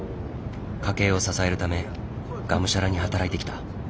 家計を支えるためがむしゃらに働いてきた。